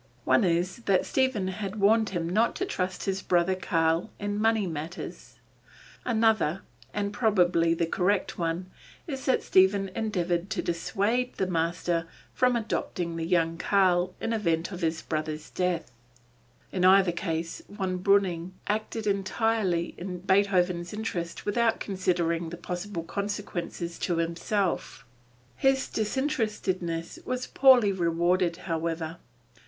One is that Stephen had warned him not to trust his brother Karl in money matters. Another, and probably the correct one, is that Stephen endeavored to dissuade the master from adopting the young Karl in event of his brother's death. In either case Von Breuning acted entirely in Beethoven's interest without considering the possible consequences to himself; his disinterestedness was poorly rewarded however.